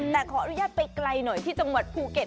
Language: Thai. แต่ขออนุญาตไปไกลหน่อยที่จังหวัดภูเก็ต